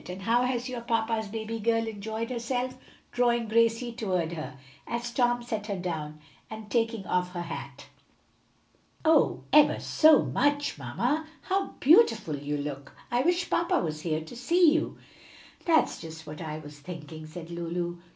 "And how has your papa's baby girl enjoyed herself?" drawing Gracie toward her, as Tom set her down, and taking off her hat. "Oh, ever so much! Mamma how beautiful you look! I wish papa was here to see you." "That's just what I was thinking," said Lulu.